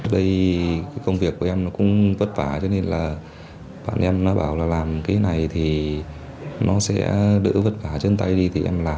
đây công việc của em cũng vất vả cho nên là bạn em nó bảo là làm cái này thì nó sẽ đỡ vất vả chân tay đi thì em làm